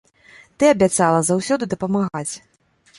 Ты абяцала заўсёды дапамагаць.